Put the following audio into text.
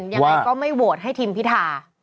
ยังไงก็ไม่โหวตให้ทีมพิธา